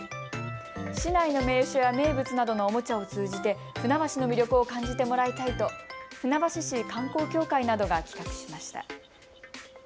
市内の名所や名物などのおもちゃを通じて船橋の魅力を感じてもらいたいと船橋市観光協会などが企画しました。